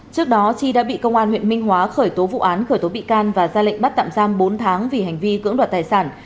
trước đó chi đã bị công an huyện minh hóa khởi tố vụ án khởi tố bị can và ra lệnh bắt tạm giam bốn tháng vì hành vi cưỡng đoạt tài sản